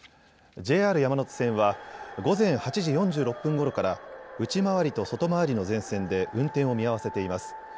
ＪＲ山手線は午前８時４６分ごろから内回りと外回りの全線で運転を見合わせています。